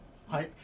はい。